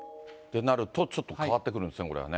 となるとちょっと変わってくるんですね。